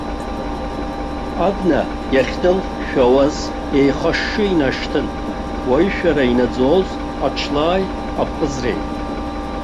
Абна иахьнылшәауаз, еихашьшьы инашьҭын, уаҩышәара инаӡоз ачлааи аԥҟызреи.